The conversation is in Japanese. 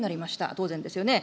当然ですよね。